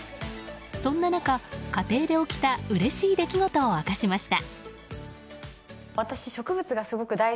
そんな中、家庭で起きたうれしい出来事を明かしました。